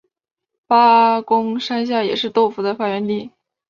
八公山下也是豆腐的发源地。